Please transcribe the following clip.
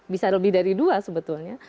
bisa lebih dari dua sebetulnya